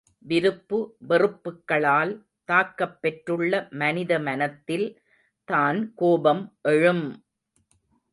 விருப்பு வெறுப்புக்களால் தாக்கப் பெற்றுள்ள மனித மனத்தில் தான் கோபம் எழும்!